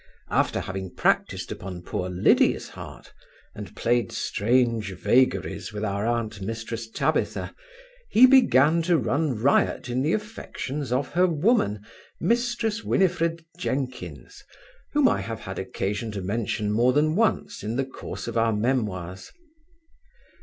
After having practised upon poor Liddy's heart, and played strange vagaries with our aunt Mrs Tabitha, he began to run riot in the affections of her woman, Mrs Winifred Jenkins, whom I have had occasion to mention more than once in the course of our memoirs.